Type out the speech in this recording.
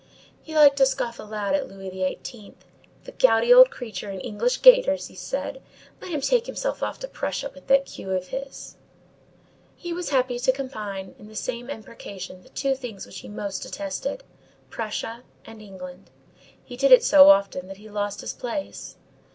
_ He liked to scoff aloud at Louis XVIII. "The gouty old creature in English gaiters!" he said; "let him take himself off to Prussia with that queue of his." He was happy to combine in the same imprecation the two things which he most detested, Prussia and England. He did it so often that he lost his place.